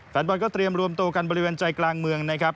แฟนบอลก็เตรียมรวมตัวกันบริเวณใจกลางเมืองนะครับ